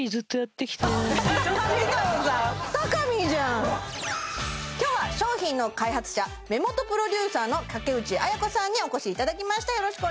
あ全然違う今日は商品の開発者目元プロデューサーの垣内綾子さんにお越しいただきました